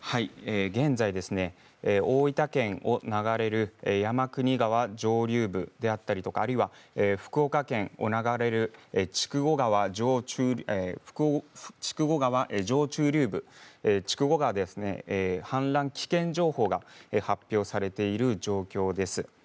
現在、大分県を流れる山国川上流部であったりとか福岡県を流れる筑後川上中流部、筑後川では氾濫危険情報が発表されている状況です。